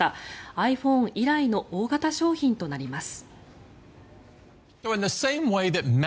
ｉＰｈｏｎｅ以来の大型商品となります。